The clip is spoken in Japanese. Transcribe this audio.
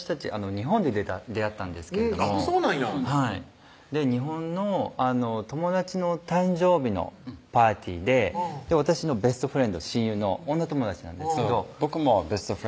日本で出会ったんですけれどもそうなんやはい日本の友達の誕生日のパーティーで私のベストフレンド親友の女友達なんですけど僕もベストフレンドと一緒に来て